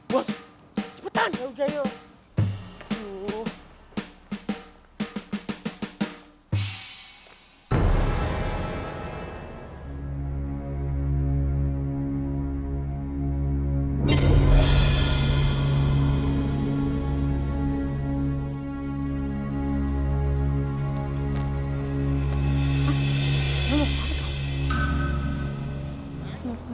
bos cepetan aku jayok